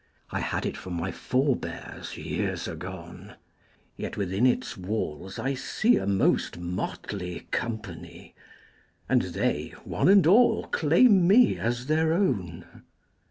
I had it from my forbears Years agone. Yet within its walls I see A most motley company, And they one and all claim me As their own.